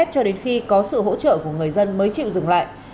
cho đến khi có sự hỗ trợ của người dân mới chịu dừng lại